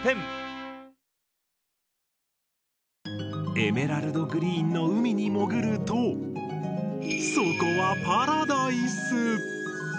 エメラルドグリーンの海に潜るとそこはパラダイス！